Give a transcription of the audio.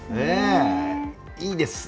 いいです。